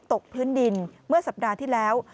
ตกพื้นดินเมื่อสัปดาห์ที่แล้ว